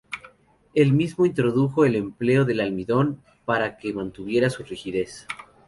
Él mismo introdujo el empleo del almidón, para que mantuviera su rigidez.